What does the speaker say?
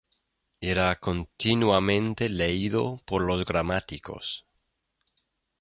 Era continuamente leído por los gramáticos